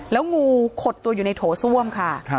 แล้วงูขดตัวอยู่ในโถส้วมค่ะ